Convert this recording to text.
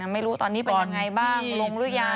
ไม่รู้ตอนนี้เป็นยังไงบ้างลงหรือยัง